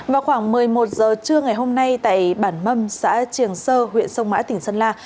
vào khoảng một mươi một giờ trưa ngày hôm nay tại bản mâm xã triềng sơ huyện sông mã tỉnh sơn la